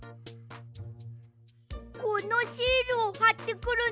このシールをはってくるんだ。